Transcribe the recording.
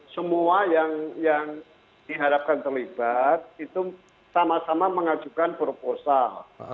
semua yang diharapkan terlibat itu sama sama mengajukan proposal